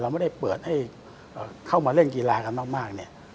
ไม่ได้เปิดให้เข้ามาเล่นกีฬากันมากเนี่ย